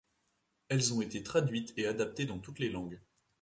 Elles ont été traduites et adaptées dans toutes les langues.